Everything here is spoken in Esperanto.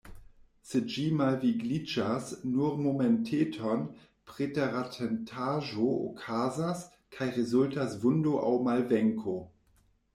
Se ĝi malvigliĝas nur momenteton, preteratentaĵo okazas, kaj rezultas vundo aŭ malvenko.